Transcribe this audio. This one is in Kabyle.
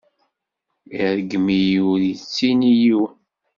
Iṛeggem-iyi ur yettini i yiwen.